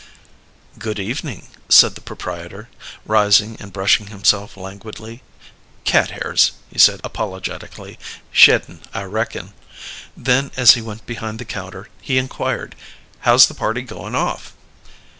"Good evening," said the proprietor, rising and brushing himself languidly. "Cat hairs," he said apologetically. "Sheddin', I reckon." Then, as he went behind the counter, he inquired: "How's the party goin' off?"